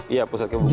iya pusat kebugaran